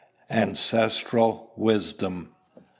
ANCESTRAL WISDOM.